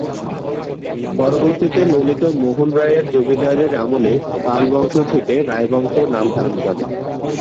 পরবর্তীতে ললিত মোহন রায়ের জমিদারীর আমলেই "পাল বংশ" থেকে "রায় বংশ" নাম ধারণ করে।